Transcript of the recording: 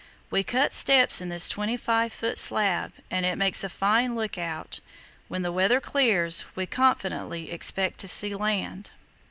We cut steps in this 25 ft. slab, and it makes a fine look out. When the weather clears we confidently expect to see land."